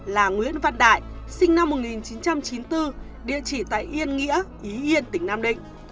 là nguyễn văn đại sinh năm một nghìn chín trăm chín mươi bốn địa chỉ tại yên nghĩa ý yên tỉnh nam định